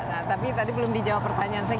nah tapi tadi belum dijawab pertanyaan saya